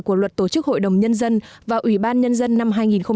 của luật tổ chức hội đồng nhân dân và ủy ban nhân dân năm hai nghìn ba